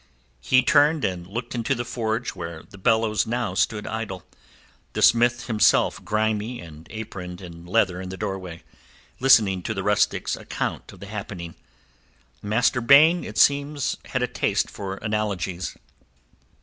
He turned and looked into the forge where the bellows now stood idle, the smith himself grimy and aproned in leather in the doorway, listening to the rustics account of the happening. Master Baine it seems had a taste for analogies.